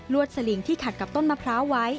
สลิงที่ขัดกับต้นมะพร้าวไว้